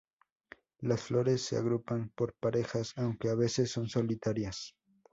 Las flores se agrupan por parejas, aunque a veces son solitarias.